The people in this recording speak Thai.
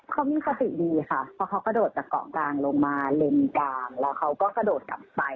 แต่คนที่ถูกตัวแบบเราอย่างนั้นบึงสัญลักษณะ